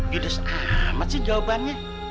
gila samat sih jawabannya